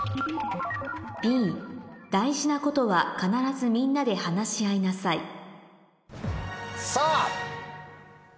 大事なことは必ずみんなで話し合いなさいさぁ！